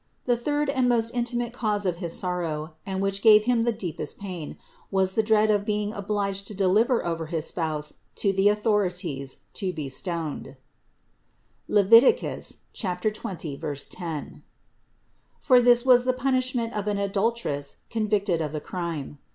The third and most intimate cause of his sorrow, and which gave him the deepest pain, was the dread of being obliged to deliver over his Spouse to the authorities to be stoned (Lev. 20, 10), for this was the punishment of an adulteress convicted of the crime.